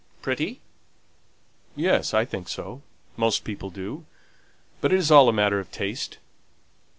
"Pretty?" "Yes, I think so; most people do; but it's all a matter of taste.